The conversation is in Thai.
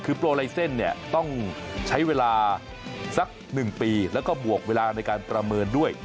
คือโปรไลเซ็นต์เนี่ยต้องใช้เวลาสัก๑ปีแล้วก็บวกเวลาในการประเมินด้วย